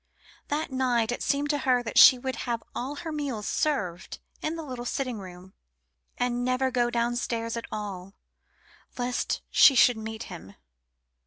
That night it seemed to her that she would have all her meals served in the little sitting room, and never go downstairs at all, lest she should meet him.